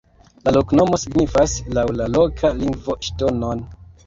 La loknomo signifas laŭ la loka lingvo ŝtonon.